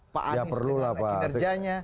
pak anies dengan kinerjanya